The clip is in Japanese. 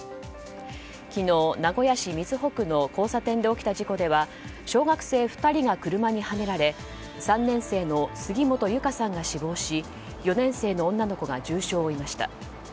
昨日、名古屋市瑞穂区の交差点で起きた事故では小学生２人が車にはねられ３年生の杉本結香さんが死亡し４年生の女の子が重傷を負いました。